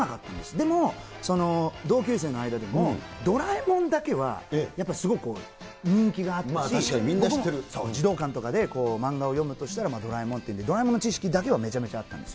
でも、同級生の間でも、ドラえもんだけは、やっぱすごく人気があったし、僕も僕も児童館で漫画を読むとしたら、ドラえもんっていうんで、ドラえもんの知識だけはめちゃめちゃあったんです。